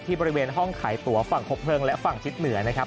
บริเวณห้องขายตัวฝั่งคบเลิงและฝั่งทิศเหนือนะครับ